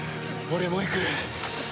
俺もいく！